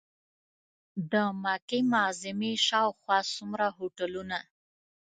د مکې معظمې شاوخوا څومره هوټلونه.